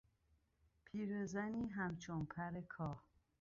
پیرزنی همچون پر کاه